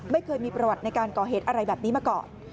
ไม่เคยมีประวัติในการก่อเหตุอะไรแบบนี้มาก่อน